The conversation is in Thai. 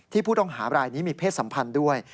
ผู้ต้องหาบรายนี้มีเพศสัมพันธ์ด้วย